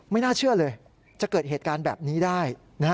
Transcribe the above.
ไม่น่าเชื่อเลยจะเกิดเหตุการณ์แบบนี้ได้